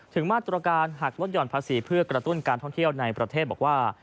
มาตรการหักลดห่อนภาษีเพื่อกระตุ้นการท่องเที่ยวในประเทศบอกว่า